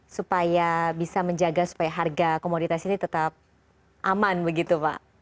supaya bisa menjaga supaya harga komoditas ini tetap aman begitu pak